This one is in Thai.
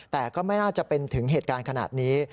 แต่ก็ไม่น่าจะเป็นถึงเหตุการณ์ขนาดนี้